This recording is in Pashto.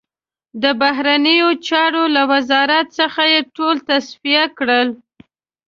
د بهرنیو چارو له وزارت څخه یې ټول تصفیه کړل.